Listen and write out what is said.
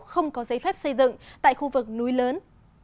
không có giấy phép xây dựng tại khu vực núi lớn